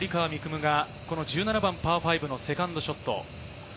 夢が１７番パー５のセカンドショット。